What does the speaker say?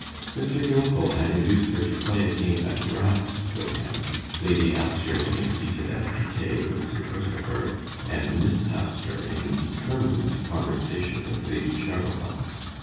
Mr. Gilfil had induced her to play a game at draughts with him, Lady Assher being seated at picquet with Sir Christopher, and Miss Assher in determined conversation with Lady Cheverel.